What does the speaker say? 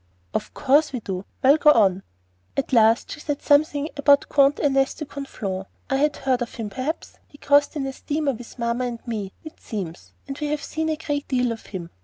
"Of course we do. Well, go on." "At last she said something about Comte Ernest de Conflans, I had heard of him, perhaps? He crossed in the steamer with 'Mamma and me,' it seems; and we have seen a great deal of him.